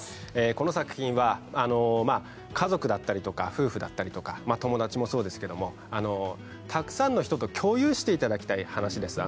この作品は家族だったりとか夫婦だったりとかまあ友達もそうですけどもたくさんの人と共有していただきたい話です